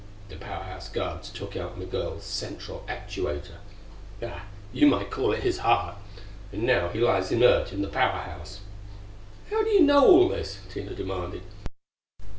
The Power House guards took out Migul's central actuator Hah! you might call it his heart! and he now lies inert in the Power House." "How do you know all this?" Tina demanded.